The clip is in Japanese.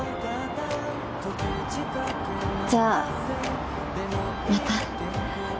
じゃあまた。